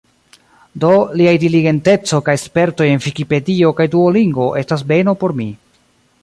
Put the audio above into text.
Do, liaj diligenteco kaj spertoj en Vikipedio kaj Duolingo estas beno por mi.